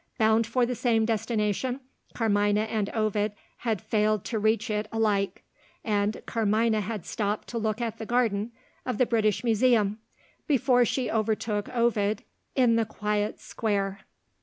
Bound for the same destination, Carmina and Ovid had failed to reach it alike. And Carmina had stopped to look at the garden of the British Museum, before she overtook Ovid in the quiet square.